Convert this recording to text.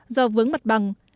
do vướng mặt bằng